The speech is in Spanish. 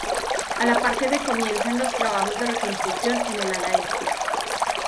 A la par que se comienzan los trabajos de reconstrucción en el ala este.